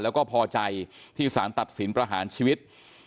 แล้วก็พอใจที่สารตัดสินประหารชีวิต